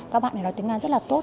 các bạn này nói tiếng nga rất là tốt